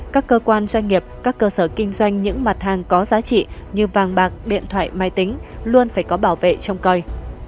các cơ quan doanh nghiệp các cơ sở kinh doanh những mặt hàng có giá trị như vàng bạc điện thoại máy tính luôn phải có bảo vệ trong coi